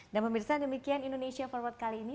dan pemirsa demikian indonesia forward kali ini